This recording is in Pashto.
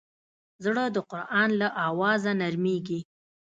زړه د قرآن له اوازه نرمېږي.